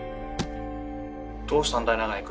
どうしたんだい？